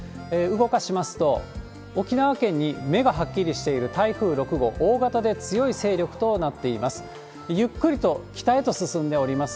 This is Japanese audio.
動かしますと、沖縄県に目がはっきりしている台風６号、大型で強い勢力となっています。